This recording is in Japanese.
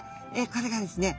これがですね